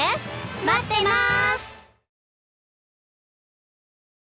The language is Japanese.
まってます！